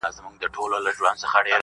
o يا غوړ غړی، يا موړ مړی.